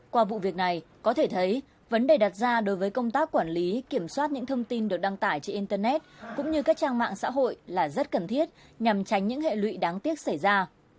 qua vụ việc này có thể thấy vấn đề đặt ra đối với công tác quản lý kiểm soát những thông tin được đăng tải trên internet cũng như các trang mạng xã hội là rất cần thiết nhằm tránh những hệ lụy đáng tiếc xảy ra